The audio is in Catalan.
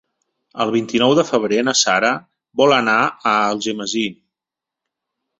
El vint-i-nou de febrer na Sara vol anar a Algemesí.